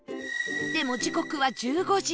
でも時刻は１５時